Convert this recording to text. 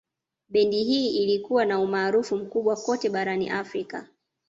Bendi hii ilikuwa na umaarufu mkubwa kote barani Afrika